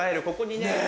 ここにね。